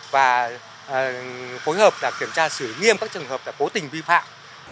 và phối hợp kiểm tra xử nghiêm các trường hợp cố tình vi phạm